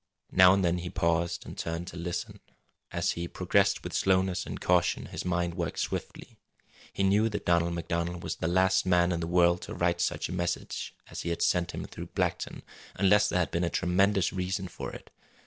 Now and then he paused, and turned to listen. As he progressed with slowness and caution, his mind worked swiftly. He knew that Donald MacDonald was the last man in the world to write such a message as he had sent him through Blackton unless there had been a tremendous reason for it.